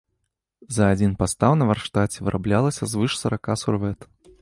За адзін пастаў на варштаце выраблялася звыш сарака сурвэт.